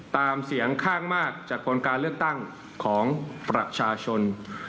เสียงข้างมากจากผลการเลือกตั้งของประชาชน